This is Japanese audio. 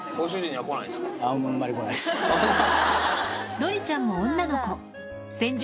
のりちゃんも女の子先住